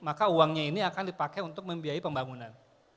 maka uangnya ini akan dipakai untuk membiayai pembangunan